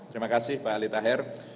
terima kasih pak ali taher